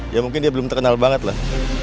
ya mungkin dia belum terkenal banget lah